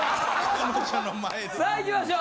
さあいきましょう。